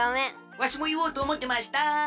わしもいおうとおもってました。